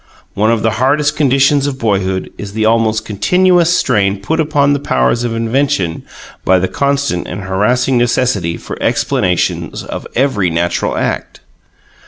One of the hardest conditions of boyhood is the almost continuous strain put upon the powers of invention by the constant and harassing necessity for explanations of every natural act.